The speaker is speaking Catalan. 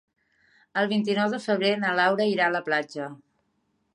El vint-i-nou de febrer na Laura irà a la platja.